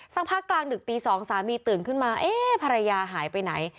ภาคกลางดึกตี๒สามีตื่นขึ้นมาเอ๊ะภรรยาหายไปไหน